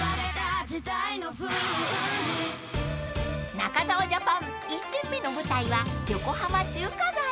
［中澤ジャパン１戦目の舞台は横浜中華街］